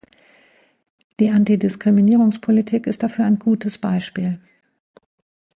Die Antidiskriminierungspolitik ist dafür ein gutes Beispiel.